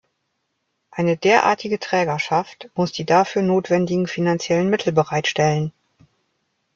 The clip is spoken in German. Eine derartige Trägerschaft muss die dafür notwendigen finanziellen Mittel bereitstellen.